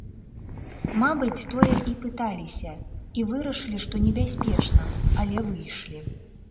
Мабыць, тое і пыталіся, і вырашылі, што небяспечна, але выйшлі.